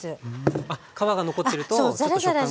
あっ皮が残ってるとちょっと食感が。